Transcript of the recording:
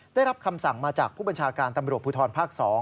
ได้รับคำสั่งมาจากผู้บัญชาการตำรวจภูทรภาค๒